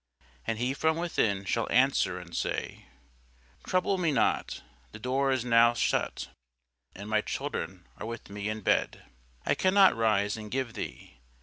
And he from within shall answer and say, Trouble me not: the door is now shut, and my children are with me in bed; I cannot rise and give thee.